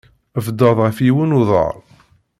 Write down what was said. Bded ɣef yiwen uḍar.